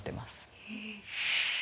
へえ。